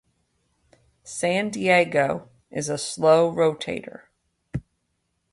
"San Diego" is a slow rotator.